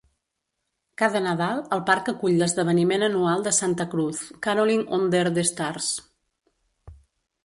Cada Nadal, el parc acull l'esdeveniment anual de Santa Cruz "Caroling Under the Stars".